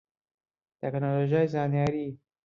تەکنۆلۆژیای زانیاری